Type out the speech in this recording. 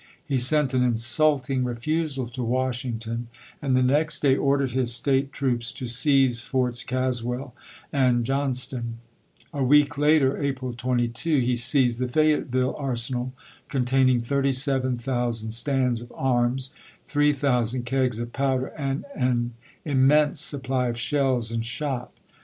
He sent an insulting refusal to Washington, and the next day ordered his State troops to seize Forts Caswell and Johnston. A week later (April 22) he seized the Fayetteville arsenal, containing 37,000 stands of arms, 3000 kegs of powder, and an immense supply of shells and shot.